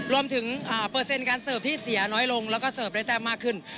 เปอร์เซ็นต์การเสิร์ฟที่เสียน้อยลงแล้วก็เสิร์ฟได้แต้มมากขึ้น